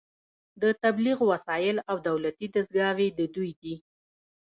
د تبلیغ وسایل او دولتي دستګاوې د دوی دي